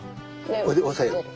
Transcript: それで押さえる。